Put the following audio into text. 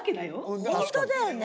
本当だよね。